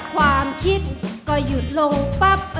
ความคิดก็หยุดลงปั๊บ